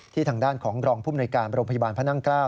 ทางด้านของรองภูมิหน่วยการโรงพยาบาลพระนั่งเกล้า